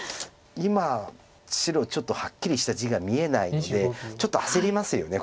今白ちょっとはっきりした地が見えないのでちょっと焦りますよね